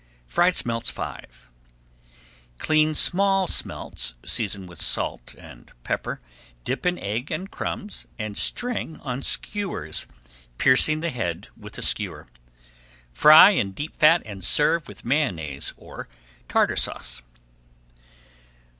FRIED SMELTS V Clean small smelts, season with salt and pepper, dip in egg and crumbs, and string on skewers, piercing the head with a skewer. Fry in deep fat and serve with Mayonnaise or Tartar Sauce.